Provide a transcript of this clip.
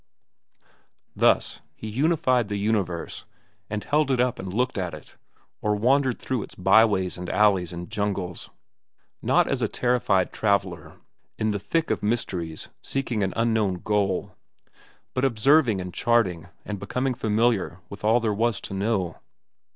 Thus, he unified the universe and held it up and looked at it, or wandered through its byways and alleys and jungles, not as a terrified traveller in the thick of mysteries seeking an unknown goal, but observing and charting and becoming familiar with all there was to know.